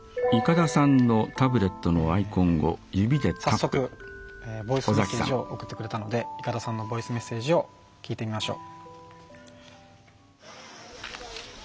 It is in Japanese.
早速、ボイスメッセージを送ってくれたのでいかださんのボイスメッセージを聞いてみましょう。